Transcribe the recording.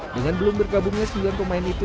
dengan belum berkabungnya sembilan pemain itu